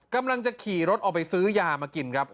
กำลังจะขี่รถออกไปซื้อยามากินครับ